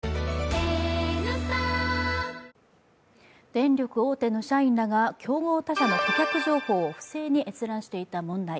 電力大手の社員らが競合他社の顧客情報を不正に閲覧していた問題。